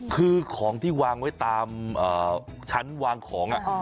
คือของที่วางไว้ตามชั้นวางของ